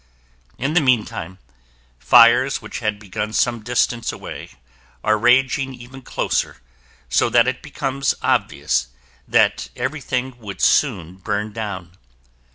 In the meantime, fires which had begun some distance away are raging even closer, so that it becomes obvious that everything would soon burn down.